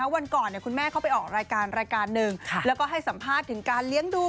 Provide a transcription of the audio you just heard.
วันก่อนคุณแม่เข้าไปออกรายการรายการหนึ่งแล้วก็ให้สัมภาษณ์ถึงการเลี้ยงดู